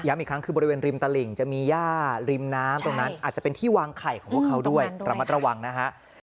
อีกครั้งคือบริเวณริมตลิ่งจะมีย่าริมน้ำตรงนั้นอาจจะเป็นที่วางไข่ของพวกเขาด้วยระมัดระวังนะฮะ